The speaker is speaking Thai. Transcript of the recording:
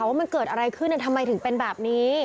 ว่ามันเกิดอะไรขึ้นทำไมถึงเป็นแบบนี้